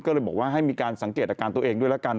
ก็เลยบอกว่าให้มีการสังเกตอาการตัวเองด้วยแล้วกัน